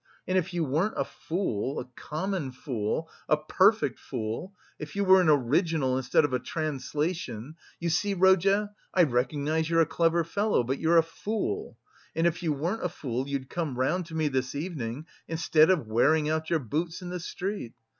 And if you weren't a fool, a common fool, a perfect fool, if you were an original instead of a translation... you see, Rodya, I recognise you're a clever fellow, but you're a fool! and if you weren't a fool you'd come round to me this evening instead of wearing out your boots in the street!